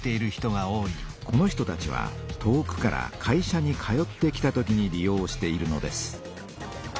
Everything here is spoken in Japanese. この人たちは遠くから会社に通ってきた時に利用しているのです。